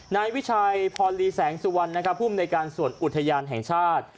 นายวิชัยพรลีแสงสุวรรณผู้อำนวยการสวนอุทยานแห่งชาติ